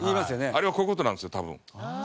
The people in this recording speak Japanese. あれはこういう事なんですよ多分。